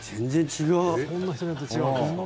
そんな人によって違うんですか？